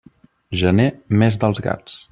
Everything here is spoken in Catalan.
Gener, mes dels gats.